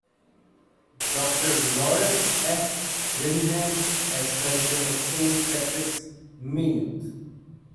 Doctor Laurence F. Renehan as President of Saint Patrick's, Maynooth.